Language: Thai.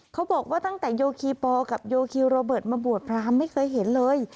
เขาบอกว่าตั้งแต่โยคีปอลกับโยคีโรเบิร์ตมาบวชพรามไม่เคยเห็นเลย